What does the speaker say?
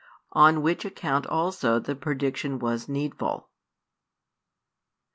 On which, account also the prediction was needful.